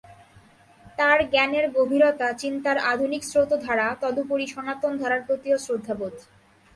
তার জ্ঞানের গভীরতা, চিন্তার আধুনিক স্রোতোধারা, তদুপরি সনাতন ধারার প্রতিও শ্রদ্ধাবোধ।